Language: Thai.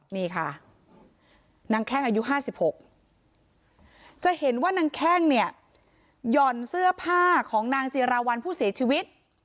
นี่ค่ะนางแข้งอายุ๕๖จะเห็นว่านางแข้งเนี่ยหย่อนเสื้อผ้าของนางจิราวัลผู้เสียชีวิต